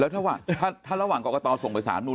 แล้วถ้าระหว่างกรกตส่งไปสารนุน